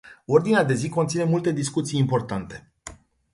Ordinea de zi conține multe discuții importante.